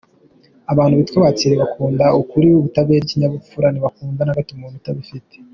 Abantu bitwa ba Thierry bakunda ukuri, ubutabera n’ikinyabupfura, ntibakunda na gato umuntu utabifite.